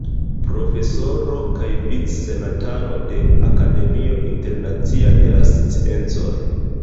Profesoro kaj vic-senatano de Akademio Internacia de la Sciencoj.